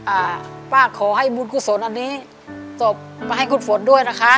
อ้าวป้าขอให้บุญคุณฝนอันนี้เต็มมาให้คุณฝนด้วยนะคะ